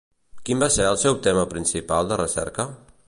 Quin va ser el seu tema principal de recerca?